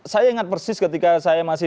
saya ingat persis ketika saya masih